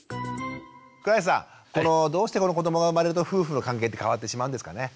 倉石さんどうしてこの子どもが生まれると夫婦の関係って変わってしまうんですかね？